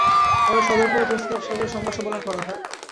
পরে সদরপুর প্রেসক্লাবে সংবাদ সম্মেলন করা হয়।